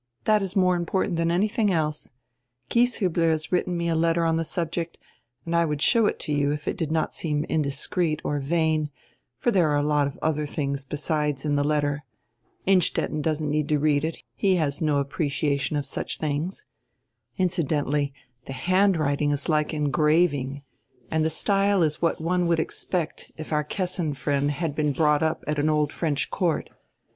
That is more important than anything else. Gieshiibler has written me a letter on the subject and I would show it to you if it did not seem indiscreet or vain, for there are a lot of other tilings besides in tire letter. Innstetten doesn't need to read it; he has no appreciation of such tilings. Incident ally, the handwriting is like engraving, and the style is what one would expect if our Kessin friend had been brought up at an Old French court.